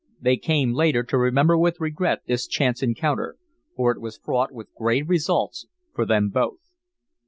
They came later to remember with regret this chance encounter, for it was fraught with grave results for them both.